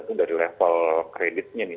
iya tapi dari level kreditnya nih